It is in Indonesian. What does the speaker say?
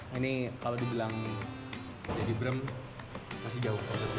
nah ini kalau dibilang jadi brem masih jauh prosesnya